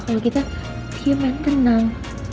kalau kita diam diam tenang